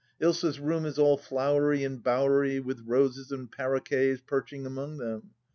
Ilsa's room is all flowery and bowery, with roses and paroquets perching among them.